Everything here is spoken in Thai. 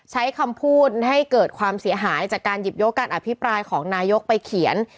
ใช้คำพูดให้เกิดความเสียหายจากการหยิบยกการอภิปรายของนายกไปเขียน